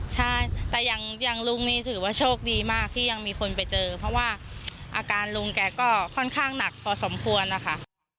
ใช่แต่อย่างลุงนี่ถือว่าโชคดีมากที่ยังมีคนไปเจอเพราะว่าอาการลุงแกก็ค่อนข้างหนักพอสมควรนะคะ